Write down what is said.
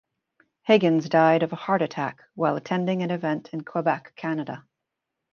Higgins died of a heart attack while attending an event in Quebec, Canada.